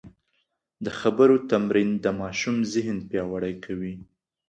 د خبرو تمرین د ماشوم ذهن پیاوړی کوي.